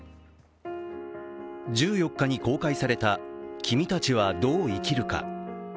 １４日に公開された「君たちはどう生きるか」。